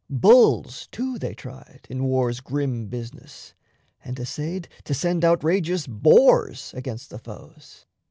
Bulls, too, they tried In war's grim business; and essayed to send Outrageous boars against the foes.